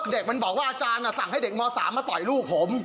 เด็กมันบอกว่าอาจารย์สั่งให้เด็กม๓มาต่อยลูกผม